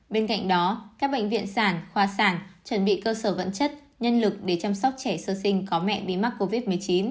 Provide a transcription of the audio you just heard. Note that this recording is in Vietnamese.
bên cạnh đó các bệnh viện sản khoa sản chuẩn bị cơ sở vật chất nhân lực để chăm sóc trẻ sơ sinh có mẹ bị mắc covid một mươi chín